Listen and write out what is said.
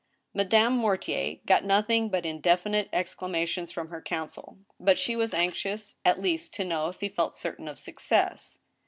Madame Mortier got nothing but indefinite exclamations from her counsel, but she was anxious at least to know if he felt certain of success.